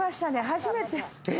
初めて。